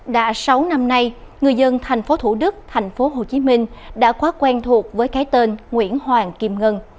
đã sáu năm nay người dân tp thủ đức tp hcm đã quá quen thuộc với cái tên nguyễn hoàng kim ngân